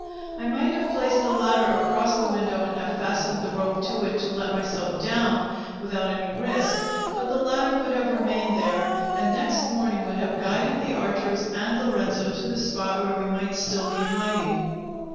I might have placed the ladder across the window and have fastened the rope to it to let myself down, without any risk; but the ladder would have remained there, and next morning would have guided the archers and Lorenzo to the spot where we might still be hiding.